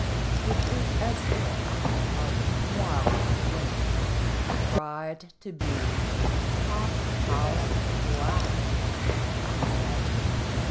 " It is as if a wild bloom tried to be a hot house flower," he said.